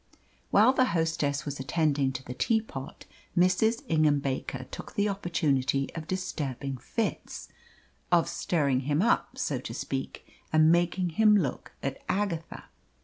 While the hostess was attending to the teapot, Mrs. Ingham Baker took the opportunity of disturbing Fitz of stirring him up, so to speak, and making him look at Agatha.